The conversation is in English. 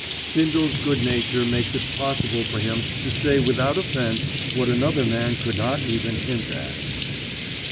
'" Bindle's good nature makes it possible for him to say without offence what another man could not even hint at.